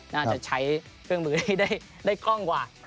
น่าจะใช้เครื่องมือให้ได้กล้องกว่า